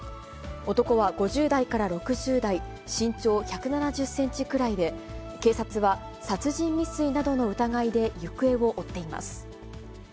男は５０代から６０代、身長１７０センチくらいで、警察は、殺人未遂などの疑いで行方を追っています。